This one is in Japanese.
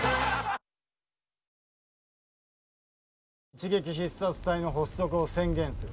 一撃必殺隊の発足を宣言する。